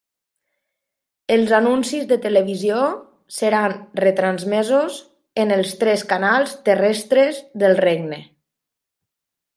Els anuncis de televisió seran retransmesos en els tres canals terrestres del Regne.